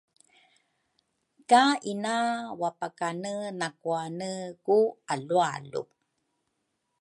ka ina wapakane nakuane ku alualu.